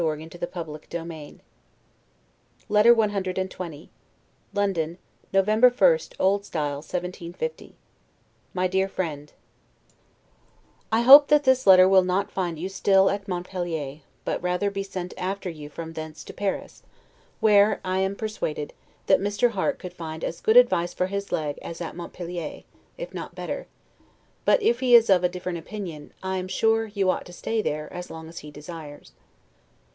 Give him the inclosed, which I have received from Mr. Eliot. LETTER CXX LONDON, November 1, O. S. 1750 MY DEAR FRIEND: I hope that this letter will not find you still at Montpelier, but rather be sent after you from thence to Paris, where, I am persuaded, that Mr. Harte could find as good advice for his leg as at Montpelier, if not better; but if he is of a different opinion, I am sure you ought to stay there, as long as he desires.